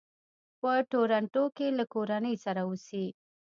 په ټورنټو کې له کورنۍ سره اوسي.